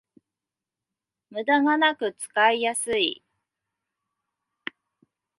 ムダがなく使いやすい